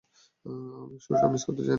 আমি শুরুটা মিস করতে চাই না।